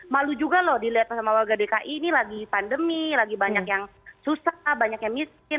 malu juga loh dilihat sama warga dki ini lagi pandemi lagi banyak yang susah banyak yang miskin